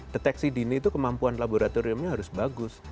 deteksi dini itu kemampuan laboratoriumnya harus bagus